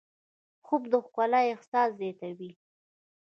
خوب د ښکلا احساس زیاتوي